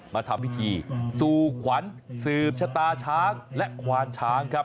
มาทำพิธีสู่ขวัญสืบชะตาช้างและควานช้างครับ